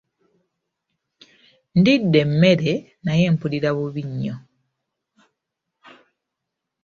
Ndidde emmere naye mpulira bubi nnyo.